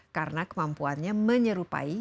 karena kemampuannya menyerupai